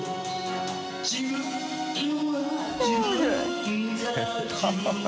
自分は自分は）